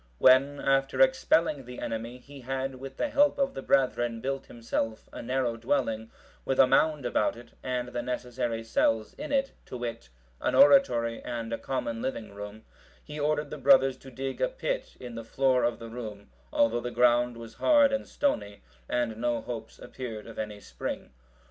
When, after expelling the enemy, he had, with the help of the brethren, built himself a narrow dwelling, with a mound about it, and the necessary cells in it, to wit, an oratory and a common living room, he ordered the brothers to dig a pit in the floor of the room, although the ground was hard and stony, and no hopes appeared of any spring.